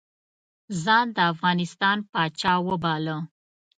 ځان د افغانستان پاچا وباله.